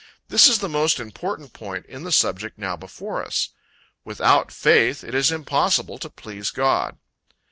This is the most important point in the subject now before us. "Without faith it is impossible to please God."